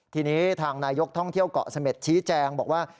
ทีนี้ทางนายกท่องเที่ยวเกาะเสม็ดชี้แจงบอกว่า